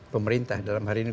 pemerintah dalam hari ini